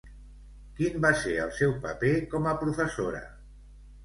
Quin va ser el seu paper com a professora?